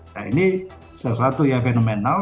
nah ini salah satu yang fenomenal